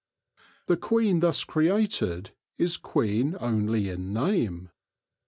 The queen thus created is queen only in name.